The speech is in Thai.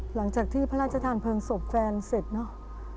หลังจากที่พระราชทานเพลิงศพแฟนเสร็จเนอะ